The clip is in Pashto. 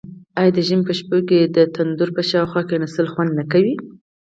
آیا د ژمي په شپو کې د تندور په شاوخوا کیناستل خوند نه کوي؟